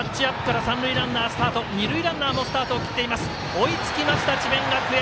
追いつきました、智弁学園。